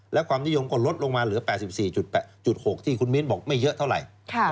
และความนิยมก็ลดลงมาเหลือ๘๔๘๖ที่คุณมิ้นบอกไม่เยอะเท่าไหร่